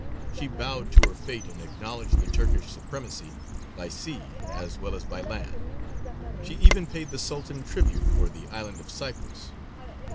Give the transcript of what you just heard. She bowed to her fate and acknowledged the Turkish supremacy by sea as well as by land. She even paid the Sultan tribute for the island of Cyprus.